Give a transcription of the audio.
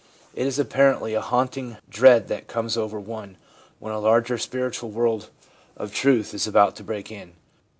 It is apparently a haunting dread that comes over one when a larger spiritual world of truth is about to break in.